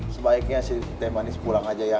sebaiknya si teh manis pulang aja ya